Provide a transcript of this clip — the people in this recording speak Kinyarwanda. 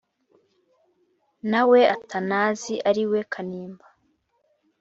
Na we Atanazi ari we Kanimba,